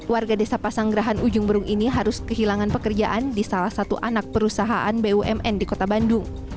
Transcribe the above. warga desa pasanggerahan ujung berung ini harus kehilangan pekerjaan di salah satu anak perusahaan bumn di kota bandung